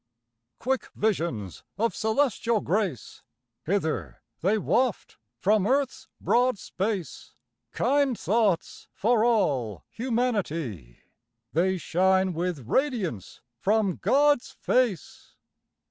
Quick visions of celestial grace, Hither they waft, from earth's broad space, Kind thoughts for all humanity. They shine with radiance from God's face.